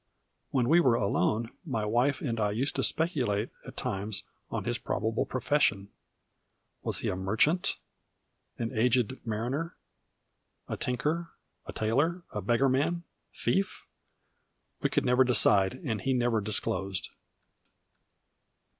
When we were alone, my wife and I used to speculate at times on his probable profession. Was he a merchant? an aged mariner? a tinker, tailor, beggarman, thief? We could never decide, and he never disclosed.